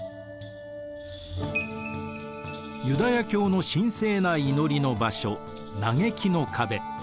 ユダヤ教の神聖な祈りの場所嘆きの壁。